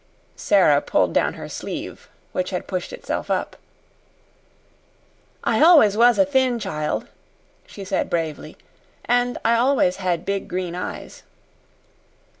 Sara pulled down her sleeve, which had pushed itself up. "I always was a thin child," she said bravely, "and I always had big green eyes."